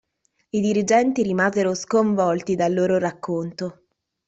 I dirigenti rimasero sconvolti dal loro racconto.